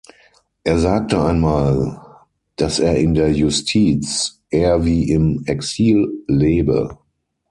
Er sagte einmal, dass er in der Justiz er wie im Exil lebe.